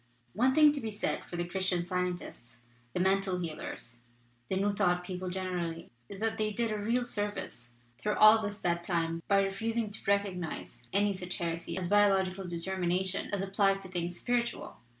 "One thing to be said for the Christian Scien tists, the Mental Healers, the New Thought peo ple generally, is that they did a real service through all this bad time by refusing to recognize any such heresy as biological determination as applied to things spiritual.